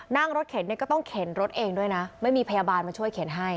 นั่งรถเข็นเนี่ยก็ต้องเข็นรถเองด้วยนะไม่มีพยาบาลมาช่วยเข็นให้